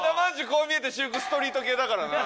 こう見えて私服ストリート系だからな。